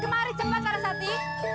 kemari cepat larasati